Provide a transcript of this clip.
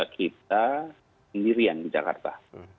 kita sendirian di jakarta